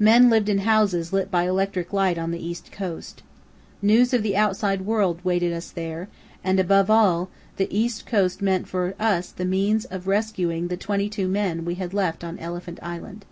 Men lived in houses lit by electric light on the east coast. News of the outside world waited us there, and, above all, the east coast meant for us the means of rescuing the twenty two men we had left on Elephant Island.